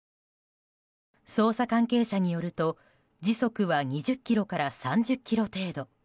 捜査関係者によると、時速は２０キロから３０キロ程度。